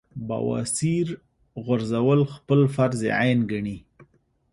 بواسير غورزول خپل فرض عېن ګڼي -